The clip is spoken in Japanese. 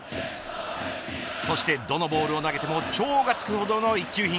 そして、どのボールを投げても超がつくほどの一級品。